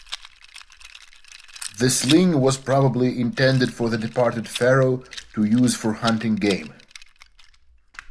The sling was probably intended for the departed pharaoh to use for hunting game.